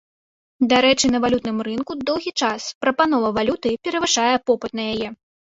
Дарэчы, на валютным рынку доўгі час прапанова валюты перавышае попыт на яе.